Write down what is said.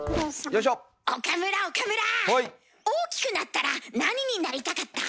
大きくなったら何になりたかった？